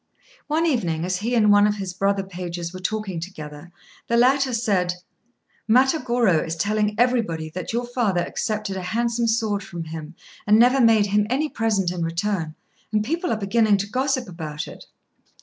One evening, as he and one of his brother pages were talking together, the latter said "Matagorô is telling everybody that your father accepted a handsome sword from him and never made him any present in return, and people are beginning to gossip about it."